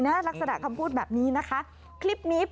ไม่เป็นไรค่ะกลับไปดูรัยเองที่บ้านได้